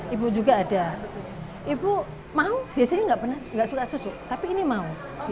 ibu juga ada ibu mau biasanya enggak suka susu tapi ini mau